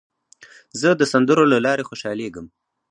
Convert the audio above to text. زه د سندرو له لارې خوشحالېږم.